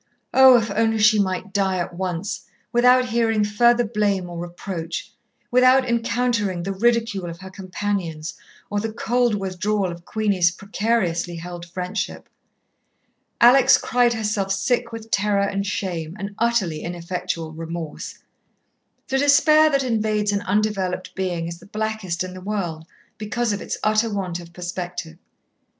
Oh, if only she might die at once, without hearing further blame or reproach, without encountering the ridicule of her companions or the cold withdrawal of Queenie's precariously held friendship. Alex cried herself sick with terror and shame and utterly ineffectual remorse. The despair that invades an undeveloped being is the blackest in the world, because of its utter want of perspective.